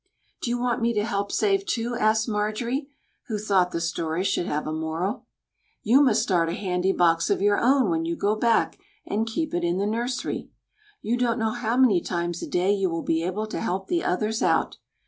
"Do you want me to help save, too?" asked Marjorie, who thought the story should have a moral. "You must start a handy box of your own when you go back, and keep it in the nursery. You don't know how many times a day you will be able to help the others out.